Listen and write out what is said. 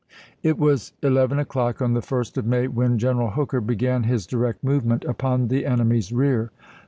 It was eleven o'clock on the 1st of May when G eneral Hooker began his direct movement upon the enemy's rear.